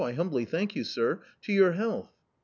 I humbly thank you, sir ! to your health